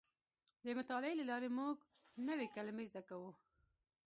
د مطالعې له لارې موږ نوې کلمې زده کوو.